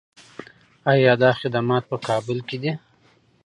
آیا دا خدمات په کابل کې دي؟